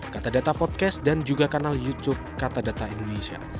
katadata podcast dan juga kanal youtube katadata indonesia